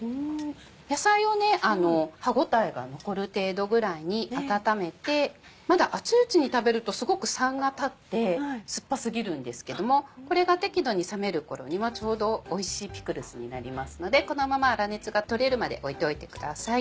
野菜を歯応えが残る程度ぐらいに温めてまだ熱いうちに食べるとすごく酸が立って酸っぱ過ぎるんですけどもこれが適度に冷める頃にはちょうどおいしいピクルスになりますのでこのまま粗熱がとれるまで置いておいてください。